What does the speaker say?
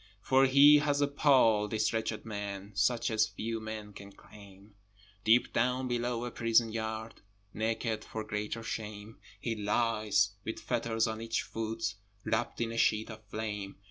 For he has a pall, this wretched man, Such as few men can claim: Deep down below a prison yard, Naked for greater shame, He lies, with fetters on each foot, Wrapt in a sheet of flame!